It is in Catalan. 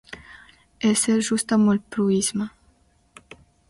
Ésser just amb el proïsme.